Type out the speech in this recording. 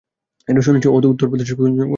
শুনেছি ও উত্তর প্রদেশের কোথাও আছে।